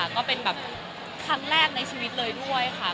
ก็เป็นแบบครั้งแรกในชีวิตเลยด้วยค่ะ